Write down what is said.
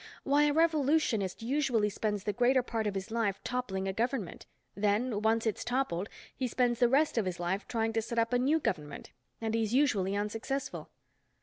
Why, a revolutionist usually spends the greater part of his life toppling a government. Then, once it's toppled, he spends the rest of his life trying to set up a new government—and he's usually unsuccessful."